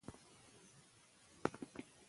لوستې میندې د ماشومانو د جامو پاک ساتلو ته پام کوي.